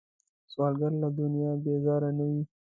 سوالګر له دنیا بیزاره نه وي